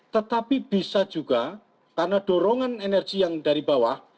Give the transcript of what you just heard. tetapi bisa juga karena dorongan energi yang dari bawah